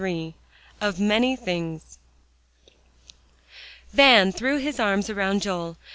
XXIII OF MANY THINGS Van threw his arms around Joel.